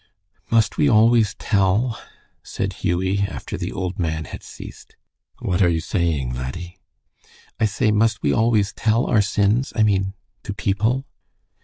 "Must we always tell?" said Hughie, after the old man had ceased. "What are you saying, laddie?" "I say must we always tell our sins I mean to people?"